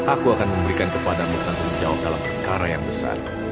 aku akan memberikan kepadamu tanggung jawab dalam perkara yang besar